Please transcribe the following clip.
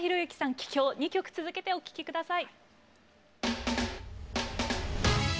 「帰郷」２曲続けてお聴き下さい。